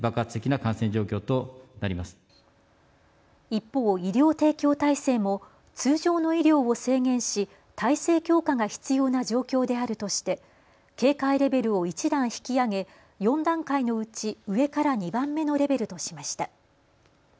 一方、医療提供体制も通常の医療を制限し体制強化が必要な状況であるとして警戒レベルを１段引き上げ４段階のうち上から２番目のレベルとしました。